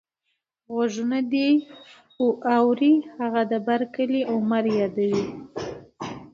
غوږونه دې اوري هغه د بر کلي عمر يادوې.